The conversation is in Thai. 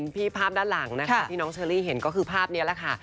ภาพด้านหลังนะคะที่น้องเชอรี่เห็นก็คือภาพนี้แหละค่ะ